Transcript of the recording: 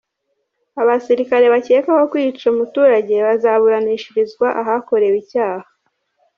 Abasirikare bakekwaho kwica umuturage bazaburanishirizwa ahakorewe icyaha